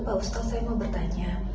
pak ustadz saya mau bertanya